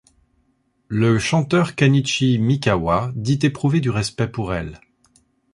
Le chanteur Ken'ichi Mikawa dit éprouver du respect pour elle.